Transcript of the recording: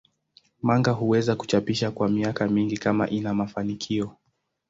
Manga huweza kuchapishwa kwa miaka mingi kama ina mafanikio.